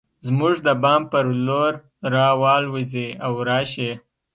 زموږ د بام پر لور راوالوزي او راشي